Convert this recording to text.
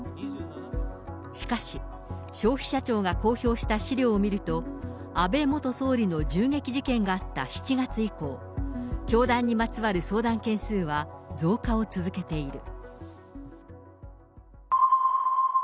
しかし、消費者庁が公表した資料を見ると、安倍元総理の銃撃事件があった７月以降、教団にまつわる相談件数は増加を続けている。